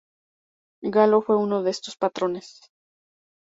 Galo fue uno de estos patrones.